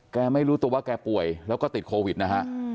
ไม่รู้ตัวว่าแกป่วยแล้วก็ติดโควิดนะฮะ